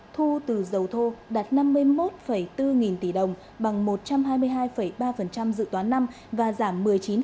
thu từ dầu thô đạt năm mươi một bốn nghìn tỷ đồng bằng một trăm hai mươi hai ba dự toán năm và giảm một mươi chín